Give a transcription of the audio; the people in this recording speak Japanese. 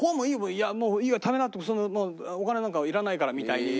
「いやもういいよ食べな！」って「お金なんかいらないから」みたいに。